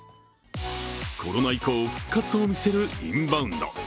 コロナ以降、復活を見せるインバウンド。